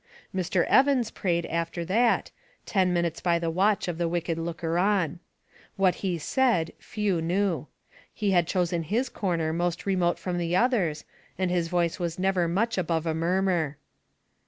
Mr. Evans prayed after that, ten minutes by the watch of the wicked looker on. What he said few knew. He had chosen his corner most remote from the others, and his voice was never much above a murmur.